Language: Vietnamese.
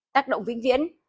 tác động vĩnh viễn